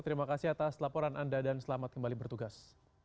terima kasih atas laporan anda dan selamat kembali bertugas